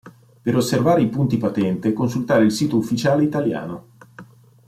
Per osservare i punti patente consultare il sito ufficiale italiano.